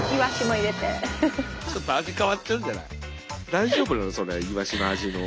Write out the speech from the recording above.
大丈夫なのそれはイワシの味の。